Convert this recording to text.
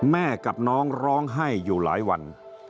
แม่กับน้องร้องไห้อยู่หลายวัน